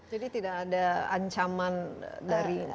jadi tidak ada ancaman dari